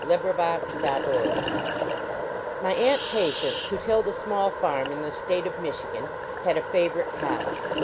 CURRIED COW My Aunt Patience, who tilled a small farm in the state of Michigan, had a favorite cow.